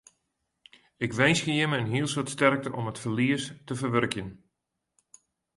Ik winskje jimme in hiel soad sterkte om it ferlies te ferwurkjen.